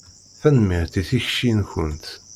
Tanemmirt i tikci-nkent.